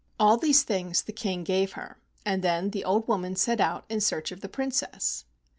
All these things the King gave her, and then the old woman set out in search of the Princess.